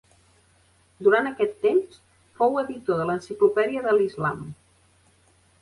Durant aquest temps, fou editor de l'enciclopèdia de l'Islam.